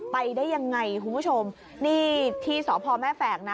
ไปได้ยังไงคุณผู้ชมนี่ที่สพแม่แฝกนะ